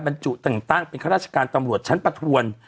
บรรจุต่างตั้งเป็นข้าราชการตำรวจชั้นประทวน